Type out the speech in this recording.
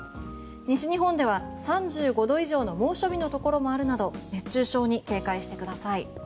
西日本では３５度以上の猛暑日のところもあるなど熱中症に警戒してください。